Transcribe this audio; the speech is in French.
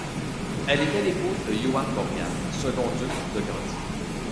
Elle était l'épouse de Juan Borgia, second duc de Gandie.